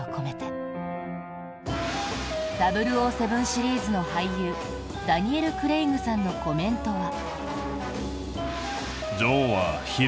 「００７」シリーズの俳優ダニエル・クレイグさんのコメントは。